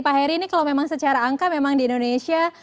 pak heri ini kalau memang secara angka memang di indonesia